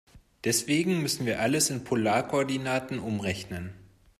Deswegen müssen wir alles in Polarkoordinaten umrechnen.